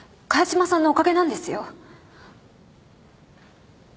萱島さんのおかげなんですよ。